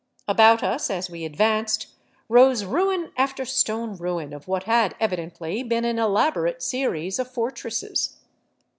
About us, as we advanced, rose ruin after stone ruin of what had evidently been an elaborate series of fortresses.